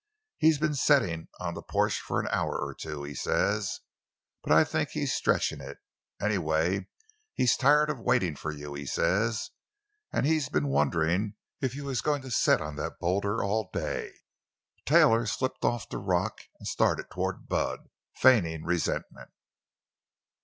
He's been settin' on the porch for an hour or two—he says. But I think he's stretching it. Anyway, he's tired of waitin' for you—he says—an' he's been wonderin' if you was goin' to set on that boulder all day!" Taylor slipped off the rock and started toward Bud, feigning resentment.